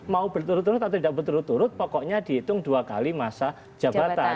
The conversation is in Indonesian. mau berturut turut atau tidak berturut turut pokoknya dihitung dua kali masa jabatan